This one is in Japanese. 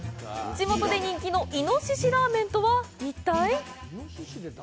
地元で人気の猪ラーメンとは、一体！？